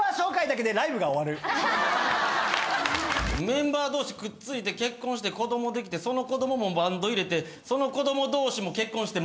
メンバー同士くっついて結婚して子供できてその子供もバンド入れてその子供同士も結婚して。